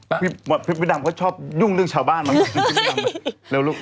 พี่ดำก็ชอบยุ่งเรื่องชาวบ้านมาเร็วลูก